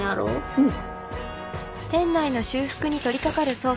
うん。